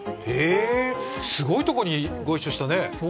へえ、すごいとこにご一緒したね。